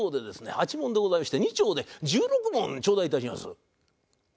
８文でございまして２丁で１６文ちょうだいいたします。